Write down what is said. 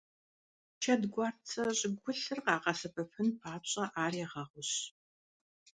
Шэдгуарцэ щӀыгулъыр къагъэсэбэпын папщӀэ, ар ягъэгъущ.